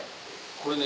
これね